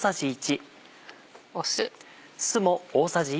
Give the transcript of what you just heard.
酢。